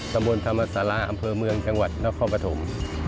สมบนธรรมศาลาอำเภอเมืองจังหวัดน้องข้อประถม